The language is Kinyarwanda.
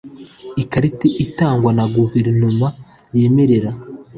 Ikarita itangwa na guverinoma yemerera